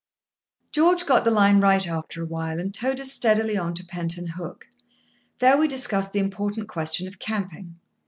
George got the line right after a while, and towed us steadily on to Penton Hook. There we discussed the important question of camping.